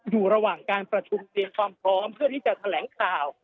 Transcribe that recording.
อยู่ระหว่างการประทุกษ์เรียนความพร้อมเพื่อที่จะแสดงแสดงข่าว